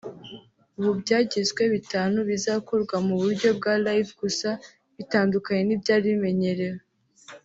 ubu byagizwe bitanu bizakorwa mu buryo bwa live gusa bitandukanye n’ibyari bimenyerewe